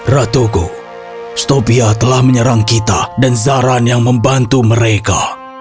ratuku stopia telah menyerang kita dan zaran yang membantu mereka